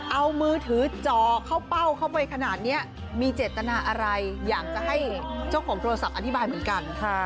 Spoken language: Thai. เอามือถือจ่อเข้าเป้าเข้าไปขนาดนี้มีเจตนาอะไรอยากจะให้เจ้าของโทรศัพท์อธิบายเหมือนกัน